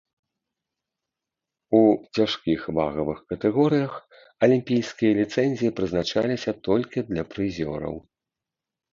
У цяжкіх вагавых катэгорыях алімпійскія ліцэнзіі прызначаліся толькі для прызёраў.